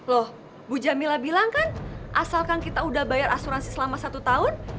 loh bu jamila bilang kan asalkan kita udah bayar asuransi selama satu tahun